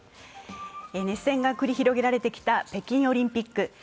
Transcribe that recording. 熱戦が繰り広げられてきた北京オリンピック。